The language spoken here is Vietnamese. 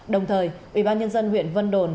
đồng thời ủy ban nhân dân huyện vân đồn